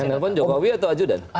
telfon jokowi atau ajudan